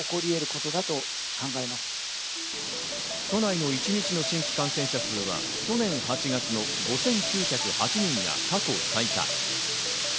都内の一日の新規感染者数は去年８月の５９０８人が過去最多。